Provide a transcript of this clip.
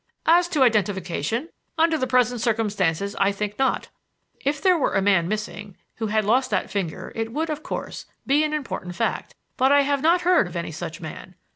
"As to identification? Under the present circumstances, I think not. If there were a man missing who had lost that finger it would, of course, be an important fact. But I have not heard of any such man.